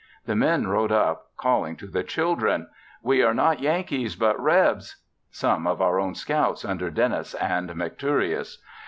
The men rode up calling to the children; "We are not Yankees, but Rebs;" some of our own scouts under Dennis and McTureous.